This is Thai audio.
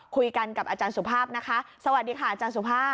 คุยกันกับอาจารย์สุภาพนะคะสวัสดีค่ะอาจารย์สุภาพ